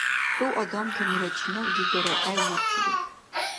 ХӀу адамтанира чинав-дигара гӀевурцури